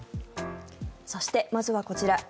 そして、まずはこちら。